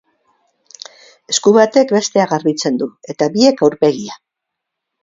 Esku batek bestea garbitzen du eta biek aurpegia.